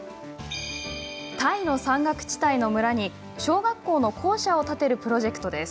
タイの山岳地帯の村に小学校の校舎を建てるプロジェクトです。